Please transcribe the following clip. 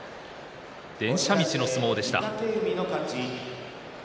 電車道の相撲でした。